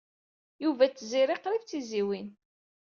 Yuba d Tiziri qrib d tizzyiwin.